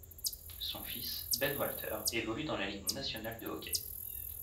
Son fils, Ben Walter, évolue dans la Ligue nationale de hockey.